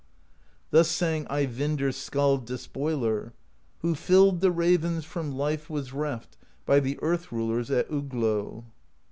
Thus sang Eyvindr Skald Despoiler: Who filled the ravens From life was reft By the Earth Rulers At Oglo.